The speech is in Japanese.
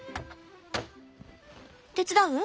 手伝う？